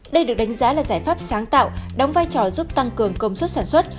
đây được đánh giá là giải pháp sáng tạo đóng vai trò giúp tăng cường công suất sản xuất